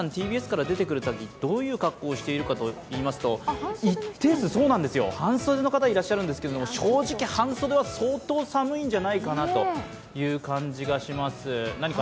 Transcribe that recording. ＴＢＳから出てくるとき、どういう格好をしているかといいますと、一定数、半袖の形いらっしゃるんですけど正直、半袖は相当寒いんじゃないかなという感じがします。